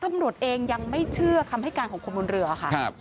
ตำรวจเองยังไม่เชื่อคำให้การของคนบนเรือค่ะ